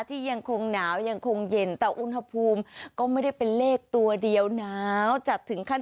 ที่ยังคงหนาวยังคงเย็นแต่อุณหภูมิก็ไม่ได้เป็นเลขตัวเดียวหนาวจัดถึงขั้น